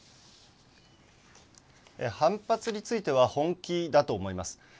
反発については本気だと思います。